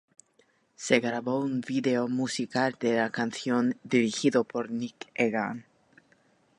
Se grabó un video musical de la canción, dirigido por Nick Egan.